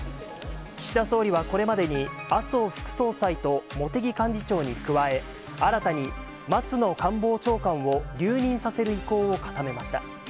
岸田総理はこれまでに、麻生副総裁と茂木幹事長に加え、新たに松野官房長官を留任させる意向を固めました。